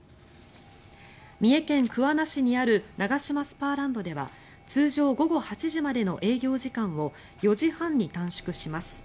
三重県桑名市にあるナガシマスパーランドでは通常、午後８時までの営業時間を４時半に短縮します。